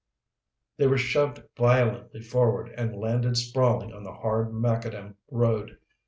They were shoved violently forward and landed sprawling on the hard macadam road.